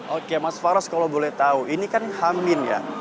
oke mas faros kalau boleh tahu ini kan hamin ya